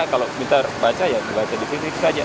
kalau minta baca ya dibaca di fisik saja